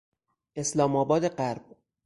اسلامآباد غرب